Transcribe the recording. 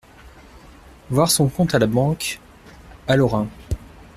Voir son compte à la banque." À Lorin.